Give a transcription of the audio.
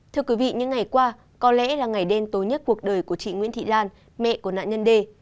thưa quý vị những ngày qua có lẽ là ngày đêm tối nhất cuộc đời của chị nguyễn thị lan mẹ của nạn nhân d